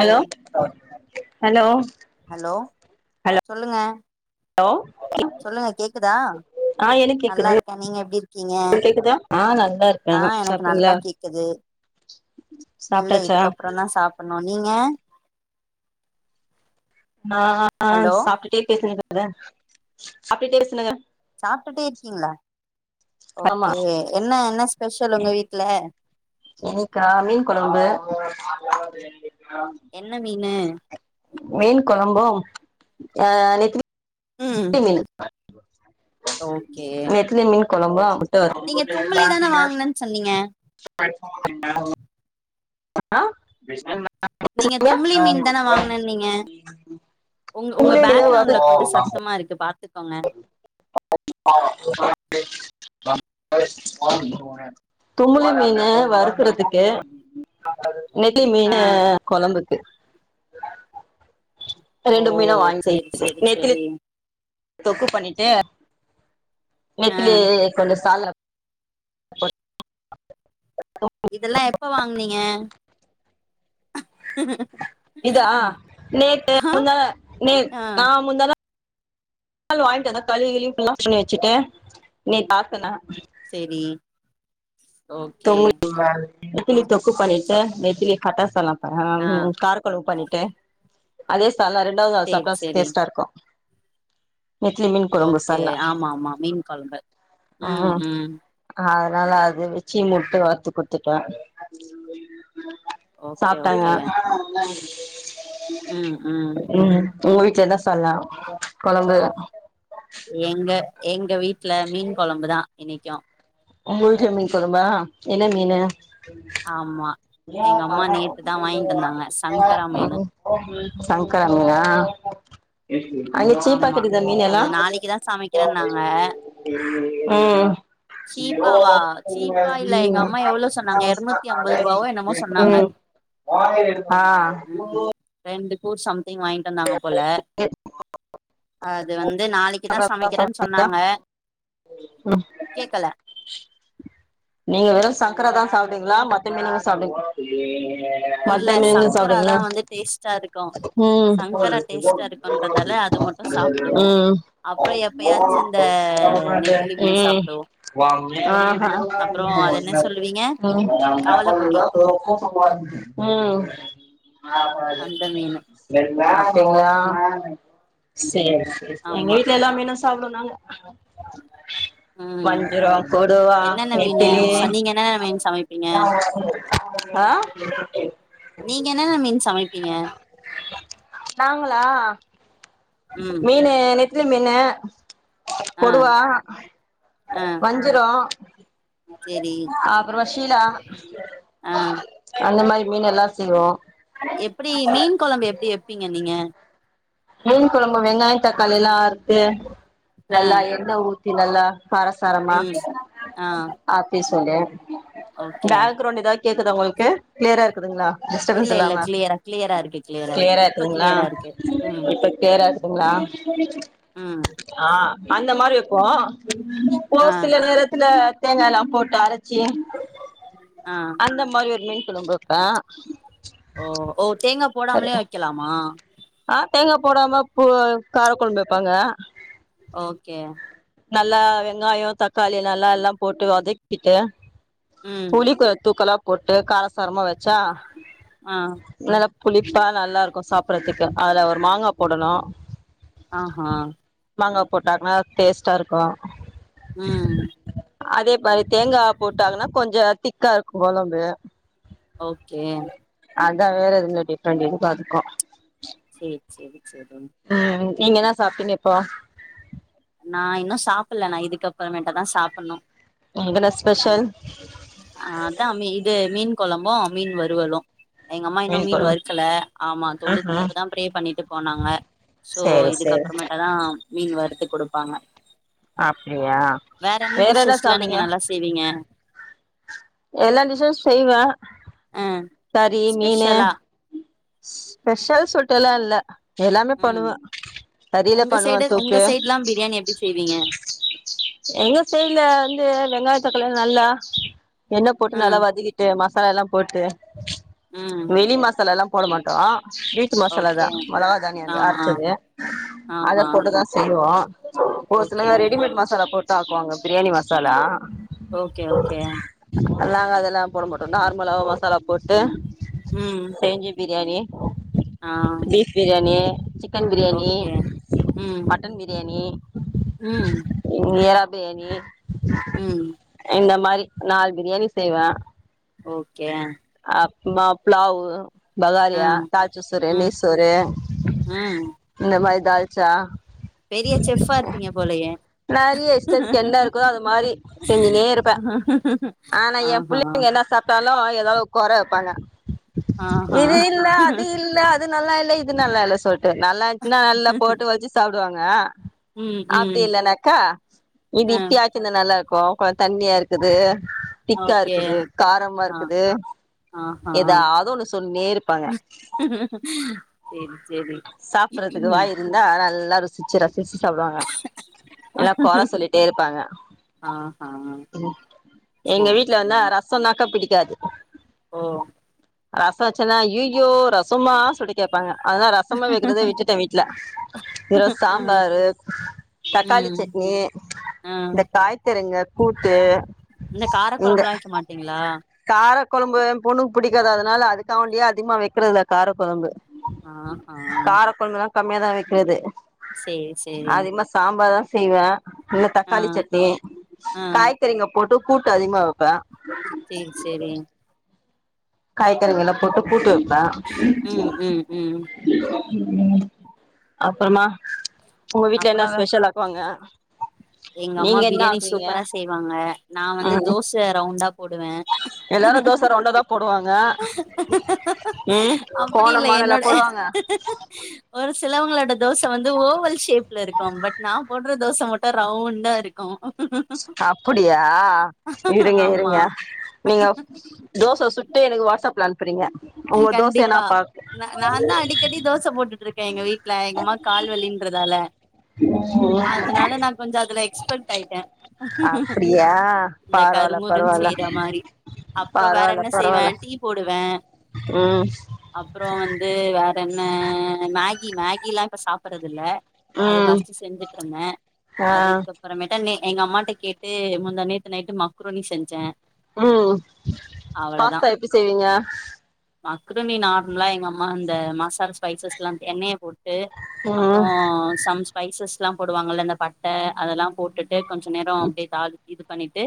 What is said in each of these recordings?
Hello hello hello சொல்லுங்க hello சொல்லுங்க கேக்குதா ஆ எனக்கு கேக்குது நல்லாருக்கேன் நீங்க எப்டி இருக்கீங்க உங்களுக்கு கேக்குதா ஆ நல்லா இருக்கே ஆஹ் எனக்கு சாப்ட்டீங்களா நல்லா கேக்குது இல்ல சாப்ட்டாச்சா இதுக்கப்புறம் தான் சாப்பட்ணும் நீங்க நா ஹலோ சாப்டுட்டே பேசுறேங்க அத அப்டி பேசினுகே சாப்டுட்டே இருக்கீங்களா ஆமா ஓகே என்ன என்ன ஸ்பெஷல் உங்க வீட்ல இன்னிக்கா மீன் கொழம்பு என்ன மீனு மீன் கொழம்பும் ஆஹ் நெத்திலி ம் திமீனு நெத்திலி மீனு கொழம்பா நீங்கே தும்மிளி தானே வாங்னன் சொன்னீங்கே ஆ நீங்கே தும்மிளி மீன் தானே வாங்னன்னீங்கே உங் உங்கே பேக்கிரவுண்ட்லே கொஞ்சோ நீங்க சத்தமா இருக்கு பாத் துக்கோங்கே தும்மிளி மீனு வறுக்கறதுக்கே நெத்திலி ஆ மீனு கொழம்பு ஆ ரெண்டு மீனோ ஓ வாங்கி சேரி செஞ்சிட்டே சேரி நெத்திலி சேரி தொக்கு பண்ணி ஏ ஆ நெத்திலி கொஞ்ச சால [inaudible] இதெல்லாம் எப்ப வாங்னீங்க இதா ஆஹ் நேத்து முந்தாநா நே ஆ ஆஹ் முந்தான நாள் வாங்கிட்டு வந்து கழுவி கிழிவி வச்சுட்டு நேத்து ஆக்குனே செரி ஓகே தொம்முள் வரக் [unintelligible] நெத்திலி தொக்கு பண்ணிட்டு நெத்திலி கட்டாசால்னா அஹ் ஆ உ காரகொழம்பு பண்ணிட்டு அது சால்னா ரெண்டாவது நாள் சேரி சாப்டா சேரி டேஸ்ட்டா இருக்கு நெத்திலி மீன் ஓகே ஆமா ஆமா மீன் கொழம்பு ஆஹ் ம் ம் ஆ நல்லா அது வெச்சி முட்டு வருத்து குடுத்துட்டே ஓகே சாப்ட்டாங்க ஓகே ம் ம் உங்க வீட்டுலதான் சொன்னேன் கொழம்பு எங்க எங்க வீட்டு்ல மீன் குழம்புதான் இன்னைக்கும் உங்கவீட்ல மீன் குழம்பா என்ன மீனு ஆமா எங்க அம்மா நேத்துதா வாங்கிட்டு வந்தாங்க சங்கரா மீனு உம் சங்கரமீனா அங்க சீப்பா ஆமா கிடைக்குதா மீன் அது எல்லாம் நாளைக்குதா சமைக்கிறேன்னாங்க சீப்பாவா சீப்பா இல்ல எங்க அம்மா எவ்ளோ சொன்னாங்க எரநூத்தி அம்பது ரூபாவோ என்னமோ சொன்னாங்க உம் [unintelligible] ம் [unintelligible] [unintelligible] போல [inaudible] அது வந்து நாளைக்குதான் சமைக்கிறேன்னு சொன்னாங்க கேக்கல [unintelligible] சாப்பிடுவீங்களா மத்த மீனும் [unintelligible] மத்த இல்ல மீனு சங்கராதா சாப்பிடுவீங்களா வந்து டேஸ்ட்டா இருக்கு உம் சங்கரா டேஸ்ட்டா இருக்குன்றதால அது மட்டு சாப்புடுவோ அப்றோ எப்பயாச்சு இந்த நெத்திலி மீனு சாப்டுவோ அப்றோ அது என்ன சொல்லுவீங்க கவல பொடி [unintelligible] ம்ம்ம் [unintelligible] [unintelligible] [unintelligible] அந்த மீனு சேரிசேரி எங்க ஆமா வீட்டில எல்லா மீனும் சாப்டணும் ம் என்னென்ன மீனு நெத்திலி சொன்னீ்ங்கனா மீன் சமைப்பீங்க ஆ நீங்க என்னென்ன மீன் சமைப்பீங்க நாங்களா ம் மீனு நெத்திலி மீனு ஆ கொடுவா ஆ வஞ்சிரம் சேரி அப்புறம் சீலா ஆ அந்த மாதிரி மீனெல்லாம் செய்வோம் எப்படி மீன் குழம்பு எப்படி எப்படி ங்க நீங்க மீன் கொழம்பு வெங்காயம் தக்காளியெல்லாம் அறுத்து [unintelligible] ஆ நல்லா எண்ண ஊத்தி தினல்லா காரசாரமா ம் ஆ ஆபிஸ் [unintelligible] ங்க ஓகே பக்ரவுண்ட் யெதா கேக்குதா உங்களுக்கு கிளியராருக்குதுங்களா இல்ல இல்ல கிளியரா கிளியராருக்கு கிளியராருக்கு கிளியரா இப்ப இருக்குதுங்களா கிளியராருக்கு உம் இப்ப க்ளியரா இருக்கு ங்களா ம் ஆஹ் அந்த மாரி ப்போ ஆ ஒருசில நேரத்ல தேங்காலாம் போட்டு அரச்சி ஆ அந்த மாரி ஒரு மீன் சொல்லுங்கக்கா ஓ ஓ தேங்கா போடாமலயும் வைக்கலாமா ஆ தேங்கா போடாம போ கார கொழம்பு வப்பாங்க ஓகே நல்லா வெங்காயம் தக்காளி நல்லால்லாம் போட்டு வதக்கிட்டு ம் புளி கொ தூக்கலா போட்டு கார சாரமா வச்சா ஆஹ் நல்லா புளிப்பா நல்லாருக்கு சாப்படுறதுக்கு அதுல ஒரு மாங்கா போடணு ஆஹ் ஹா மாங்கா போட்டாங்னா டேஸ்ட் ட்டா இருக்கும் உம் அதே பாதி தேங்காவ போட்டாங்கன்னா கொஞ்சோ திக்கா இருக்கும் கொலம்பு ஓகே வேற வேற எதுமே டிஃப்ரெண்ட் இதுக்கு அதுக்கு சேரி சேரி சேர்தான் நீங்கதா சாப்ட்டீங்க இப்போ நா இன்னு சாப்பல நா இதுக்கப்றமேட்டு தா சாப்பனு எங்கனா ஸ்பெஷல் அதா இது மீன் கொழம்பு மீன் வருவலு எங்க அம்மா இன்னும் மீன் வறுக்கல ஆமா தோழி ம்ஹும் இப்பதா பிரே பண்ணிட்ருக்கோ நாங்க சோ சேரி சேரி இதுக்கப்றமேட்டதா மீன் வறுத்து குடுக்கனு அப்டியா வேற என்ன டிஷ்ஸஸ்லா நீங்க நல்லா செய்வீங்க எல்லா டிஷு செய்வே ஆ கறி மீனு ஸ்பெஷலா ஸ்பெஷல் சூட்டெல்லா இல்ல எல்லாமே ம் பண்ணுவே அரியில உங்க பண்ணுவோ சைடு உங்க தூக்கு சைட்லா பிரியாணி எப்டி செய்வீங்க எங்க சைட்ல வந்து வெங்காயத்த குள்ள நல்லா எண்ண போட்டு நல்லா ம் வதக்கிட்டு மசாலால்லா போட்டு ம் வெளி மசாலால்லா போட மாட்டோ வீட்டு மசாலாதா ஓகே மொளகா தானியோ ஆ ஆ அரைச்சது அத ஆஹா போட்டுதா செய்வோ ஓகே ஒருசிலங்க ரெடிமேட் மசாலா போட் ஆக்குவாங்க பிரியாணி மசாலா ஓகே ஓகே நல்லா அதெல்லா போட மாட்டோ நார்மலாவோ மசாலா போட்டு உம் செஞ்சு biryani beef biryani chicken biryani okay mutton biryani உம் பேணி உம் இந்த மாரி நாலு பிரியாணி செய்வே ஓகே ஹ மா ப்ளாவு பகாரியா தாள்ச்ச சோறு ம் நெய் சோறு ம் இந்த மாதி தால்ச்சா பெரிய செஃப்பா இருப்பீங்க போலயே நெறைய இஷ்டத்துக்கு என்ன இருக்குதோ அது மாரி செஞ்சுனே இருப்பே ஆஹா ளவு கொற வெப்பாங்க ஆஹ் இது இல்ல அது இல்ல அது நல்லா இல்ல இது நல்ல இல்ல சொல்ட்டு நல்லாந்துச்சுனா நல்லா போட்டு வச்சு சாப்டுவாங்க அ ம் அப்டி ம் இல்லனாக்கா இது ஆ இப்பி ஆச்சுன நல்லா இருக் கோ கொஞ் தண்ணியாருக்குது திக்கா ஓகே இருக்குது காரமா ஆ இருக்குது ஆஹா எதாவ்து ஒன்னு சேரி சேரி சாப்பிடறதுக்கு ம் வாய் இருந்தா நல்லா ருசிச்சு ரசிச் ச்சு சாப்டுவாங்க இல்னா கொற சொல்ட்டே இருப்பாங்க ஆஹா எங்க சேரி வீட்ல வந்து சேரி ரசம்னாக்கா பிடி காது ஓ ரசோ வெச்சனா அய்யயோ ரசமா சொல்லி கேப்பாங்க அதா ரசமே வெக்கிறத விட்டுட்ட வீட்ல எதோ ஆ சாம்பாரு தக்காளி ம் சட்னி ஆ இந்த காய்த்தருங்க கூட்டு இந்த கார இங்க கொழம்புலா வைக்க மாட்டீங்களா கார கொழம்பு எ பொண்ணுக் புடிக்காது அதல்ல அதுக்காவண்டியே அதிகமா வெக்கிறதுல கார கொழம்பு அஹா கார கொழம்புலா கம்மியாதா வெக்கிற்து சேரி அதிக்மா சாம்பார் தா செய்வ இந்த ஆ தக்காளி சட்னி ஆ காய்கறிங்க போட்டு கூட்டு அதிக்மா வெப்ப சேரி சேரிங் காய்கறிங்கெலா போட்டு கூட்டு வெப் ம் ப ம் ம் ம் அப்றமா ச்ச் அப்புறோ [unintelligible] எங்க அம்மா நீங்க என்ன பிரியாணி ஆக்குவீங்க சூப்பரா செய்வாங்க நா வந்து ம் தோச ரவுண்டா போடுவே எல்லாரு தோச ரவுண்டா தா போடுவாங்க ம் அப்டி கோன இல்ல மானல்லா என்னோட போடுவாங்க ஒரு சிலவங்களோட தோச வந்து ஓவல் ஷேப் ல இருக்கு பட் நா போட்ற தோச மட்டு ரவுண்டா இருக்கு அப்பிடியா இருங்க ஆமா இருங்க நீங்க தோச சுட்டு எனக்கு வாட்ஸப்ல அனுப் பறீங்க கண்டிப்பா நா தா அடிக்கடி தோச போட்டுட்டுருக்கே எங்க வீட்ல எங்கம்மாக் கால்வலின்றதால அதனால நா கொஞ்சோ அதுல எக்ஸ்பெட் ஆய்ட்டே அப்படியா இந்த பரவால்ல கருமுருன் பரவால்ல செய்ற மாரி அப்புறோ வேற பரவால்ல என்ன செய்வே பரவால்ல டீ போடுவே அ ம் அப்புறோ வந்து வேற தென்ன மேகி மேகிலா இப்ப சாப்பறதில்ல அத ம் ஃபஸ்ட்டு செஞ்சிட்டுருந்த ஆ அதுக்கப்புறமேட்ட‌ நே எங்க அம்மாட்ட கேட்டு முந்தா நேத்து நைட்டு மக்ரூனி செஞ்ச ம் பாஸ்தா எப்பிடி செய்வீங்க மக்ரூனி நார்மலா எங்க அம்மா இந்த மசாலா ஸ்பைசஸ்லா எண்ணெய்ய போட்டு அப்புறோ ம் சம் ஸ்பைசஸ் எல்லா போடுவாங்கள இந்த பட்ட அதெல்லா போட்டு டு கொஞ்ச நேரோ அப்டியே தாளி இது பண்ணிட்டு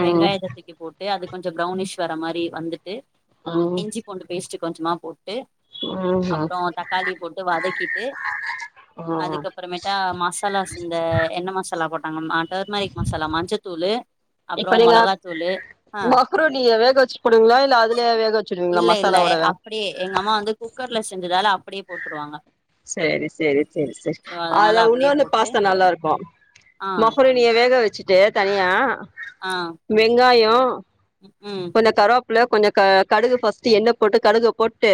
ம் வெங்காயத்த தூக்கி போட்டு அது கொஞ்சோ ப்ரௌனிஷ் வர மாரி வந்துட்டு ம் இஞ்சி பூண்டு பேஸ்ட்டு கொஞ்சமா போட் ட்டு ம்ஹும் அப்புறோ தக்காளி போட்டு வதக்கிட்டு ம் அதுக்கப்புறமேட்டா மசாலாஸ் இந்த எண்ண மசாலா போட் தங்கம் ஆட் அப்புறோ இப்ப நீங்க மொளகாத்தூளு ஆ மக்ரூனிய வேக வச்சி போடுவிங்களா இல்ல அதுலய வேக வெச் இல்ல இல்ல அப்டியே எங்க அம்மா வந்து குக்கர்ல செஞ்சது அதால அப்டியே போட்டுருவாங்க செரி செரி செரி செரி சோ அதனால அதுல அப்படியே உன்னொன்னு போட்டு பாஸ்தா நல்லாருக்கோ ஆ மக்ரோனிய வேக வச்சிட் ட்டு தனியா ஆ வெங்காயோ அஹ் ம் புல கொஞ்ச க கடுகு ஃபர்ஸ்ட்டு எண்ண போட்டு கடுகப் போட் ட்டு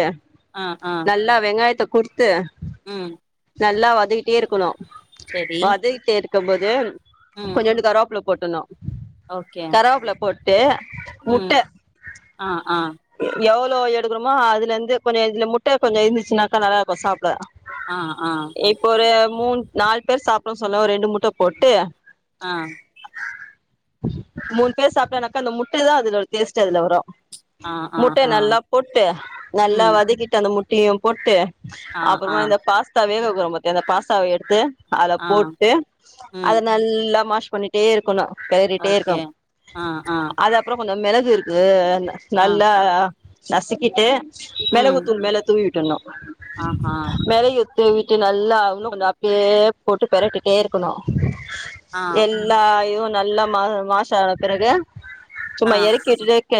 ஆ ஆ நல்லா வெங்காயத்தப் குருத்து ம் நல்லா வதக்கிட்டேருக்கணு செரி வதக்கிட்டேருக் தொம்பது ம் கொஞ்சண்டு கரோப்ல கொட்டணு ஓகே கருவாப்ல போட் டே ம் ம் அஹ் அஹ் எவ்ளோ எடுக்கிறோமோ அதுலந்து கொஞ்சு இதுல முட்டை கொஞ்சு இருந்துச்சுனாக்கா நல்லா இருக்கும் சாப்ட. ஆ ஆ மூண் நால் பேர் சாப்பிட சொல்லோ ரெண்டு முட்டை போட்டு ஆ மூண் பேர் சாப்பிட்டனாக்கா அந்த முட்டை தா அதுல பேஸ்ட் அதுல வரு ஆ ஆ முட்டை ஆ நல்லா போட்டு நல்லா ம் வதக்கிட்டு அந்த முட் டீயும் போட்டு ஆ ஆ அப்புறமா இந்த பாஸ்தா வேக [unintelligible] அந்த பாஸ்தாவ எடுத்து அத ஆ போட்டு அத ம் நல்லா மாஷ் பண்ணிட்டே இருக்கணு கேளறிட்டே இருக்கு ஓகே ஆ ஆ அது அப்புறோ- கொஞ்சு மேளகு இருக்கு ஆ நல்லா நசிக்கிட்டு ம் மெலகுத்தூள் மேல தூவிவிட்டுனும் ஆஹா [unintelligible] விட்டு விட்டு நல்லா உன்னூ கொஞ்சு அப்டியே போட்டு பேறட்டிட்டே இருக்கணு ஆ எல்லாயோ- நல்லா மா மாஷ்ஷான பிறகு ஆ கு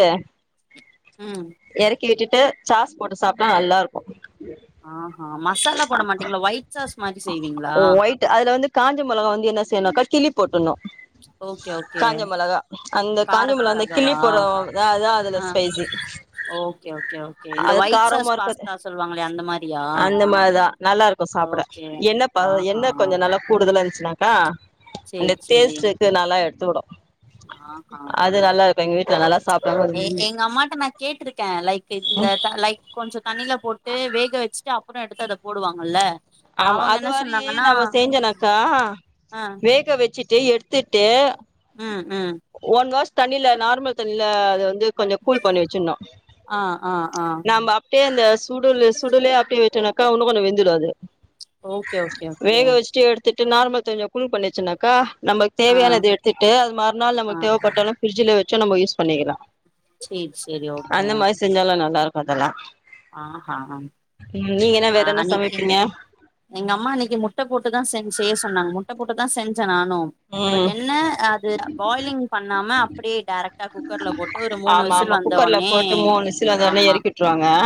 ம் கேட்டுட்டு சாஸ் போட்டு சாப்டா நல்லா இருக்கு ஆஹ மசாலா போட மாட்டீங்ளா ஒயிட் சாஸ் மாரி செய்வீங்ளா ஒயிட் அதுல வந்து காஞ்ச மொளகா வந்து என்ன செய்ணுனாக்கா கிள்ளி போட்றனு ஓகே ஓகே காஞ்ச மொளகா அந்த காஞ்ச மொளகா வந்து கிள்ளி காரத்துக்காகவா க்குறோ அதா அதா அதுலதா ஆ ஸ்பைசி ஓகே ஓகே ஓகே இந்த அது ஒயிட் சாஸ் காரமா இருக்காது பாஸ்தா சொல்லுவாங்களே அந்த மாரியா அந்த மாரிதா நல்லா இருக்கு சாப்புட ஓகே எண்ணெப்பா ஆஹா எண்ணெ கொஞ்சோ நல்லா கூடுதலா இரு ந்ச்சினாக்கா அந்த சேரி தேள் சேரி செட் நல்லா எடுத்து விடும் ஆஹா அது நல்லா இரு எங்க அம்மாட்ட நான் கேட்டிருக்கேன் லைட் இந்த லைட் கொஞ்சம் தண்ணி ட்டில போட்டு வேக வச்சுட்டு அப்புறம் எடுத்து அத போடுவாங்கல்ல ஆமா அவங்க அது என்ன வாரி சொன்னாங்கன்னா நம்ம செஞ்சனாக்கா ஆ வேக வச்சுட்டு எடுத் திட்டு ம் ம் தண்ணில நார்மல் தண்ணில அது வந்து கொஞ்சு கூள் பண்ணி வெச்சிர்னு ஆ ஆ ஆ நம்ம டே அந்த சுடுல சுடுலே அப்பிடி விட்டர்னு கா ஒன்னு கொண்ணு வெந்துடுது ஓக்கே ஓக்கே ஓக்கே திட்டு நார்மல் தண்ணிய கூல் வச்சிருந்தனக்கா நமக்கு ஆ தேவையானது எடுத்துட்டு அது மறுநாள் ஆ நமக்கு தேவைப்பட்டாலு பிரிட்ஜுல வெச்சு நம்மயூஸ் பண்ணிக்கலா சேரி சேரி ஓகே அந்த மாரி செஞ்சாலு நல்லா இருக் பதல்லா ஆஹா உம் நீங்க என்ன ஆ வேற என்ன அன்னைக்கு சமைப்பீங்க எங்க அம்மா அன்னக்கி முட்ட போட்டு தான் செஞ் செய்ய சொன்னாங்க முட்ட போட்டு தான் செஞ் நானும் பட் ம் என்ன அது பாய்லிங்ப் பண்ணாம அப்டியே டைரக்டா குக்கர்ல போட்டு ஒரு மூணு ஆமா விசில் ஆமா குக்கர்ல வந்தவுடனே ஆமா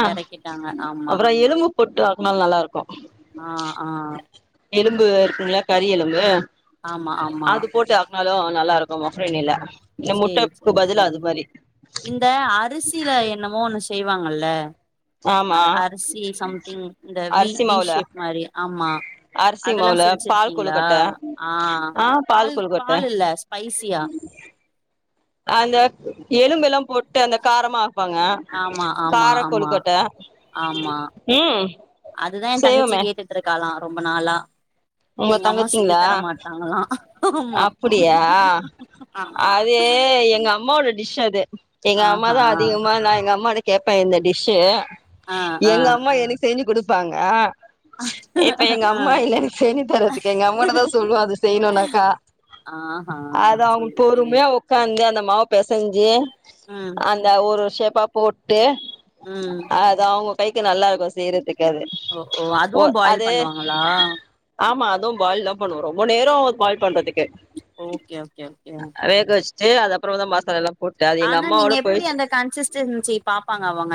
ஆ எறக்கிட்டாங்க ஆமா அப்புறம் எலும்பு போட்டு ஆக்குனாலும் நல்லா இருக்கும் ஆ ஆ எலும்பு இருக்குமில்ல கறி எலும்பு ஆமா ஆமா அது போட்டு ஆக்கு அதும் நல்லா இருக்கும் மஃபிரினில சேரி சேரி சரி இந்த அரிசில என்னமோ ஒண்ணு செய்வாங்கல்ல அ ஆமா அரிசி சம்திங் இந்த வி அரிசி மாவுல வீஷேப் மாதிரி ஆமா அரிசி அதெல்லாம் மாவுல பால் செஞ்சிருக்கீங்களா கொழுக்கட்ட ஆ ஆ பால் கொழுக்கட்ட பால் இல்ல ஸ்பைசியா அந்தேக் ஏலும்பெல்லாம் போட்டு அந்த காரமா பாங்கே ஆமா ஆமா காரே ஆமா கொழுக்கட்டே ஆமா ம் செய்வோமே ரொம்பா நாளா உங்க எங்கே அம்மா செஞ்சு தங்கச்சிங்களா தர மாட்றாங்களா ஆமா அப்டியா ஆமா அது எங்க அம்மாவோட டிஷ் அது எங்கே ஆஹா அம்மாதா அதிகமா நா எங்க அம்மாடே கேப்பே இந்த டிஷ்சு ஆ ஆ எங்க அம்மா எனக்கு செஞ்சு கொடு பாங்கா இப்பே எங்கே ஆ அம்மா இல்லே எ சனி தரறதுக்கு எங்க அங்கிட்ட தான் சொல்லுவம் அதது செய்யணும்னாக்கா ஆஹா அது அவங்க சேரி சேரி பொறுமையா உக்காந்து அந்த மாவு பேசைஞ்சு ம் அந்த ஒரு செஃப் பா போட்டு ம் அத்தௌங்கே கைக்கு நல்லாயிருக்கோ செய்யிற்துக் ஓ ஓ அதுவு பாயில் பண்ணுவாங்களா ஆமா அதோம் பாயில்லா பண்ணுவோ ரொம்போ நேரோ பாயில் பண்றதுக் கே ஓகே ஓகே ஓகே அ ஆ வேகவெச்சு சே அது அப்பறோதா மஸ்டரெல்லாம் ஆனா நீங்கே எப்பிடி அந்த கன்சிஸ்டன்சி பாப்பாங்கே அவுங்கே